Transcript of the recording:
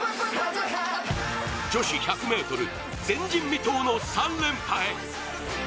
女子１００ｍ前人未到の３連覇へ。